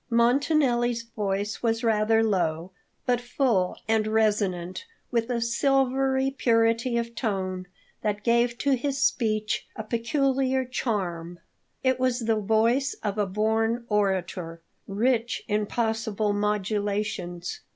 Montanelli's voice was rather low, but full and resonant, with a silvery purity of tone that gave to his speech a peculiar charm. It was the voice of a born orator, rich in possible modulations.